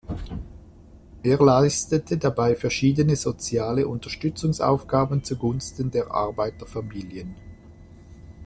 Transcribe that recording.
Er leistete dabei verschiedene soziale Unterstützungsaufgaben zugunsten der Arbeiterfamilien.